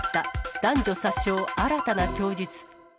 男女殺傷新たな供述。